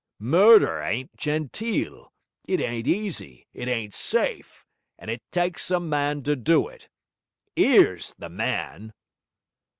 Murder ain't genteel, it ain't easy, it ain't safe, and it tykes a man to do it. 'Ere's the man.'